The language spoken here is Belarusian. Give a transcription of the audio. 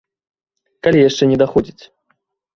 Калі яшчэ не даходзіць.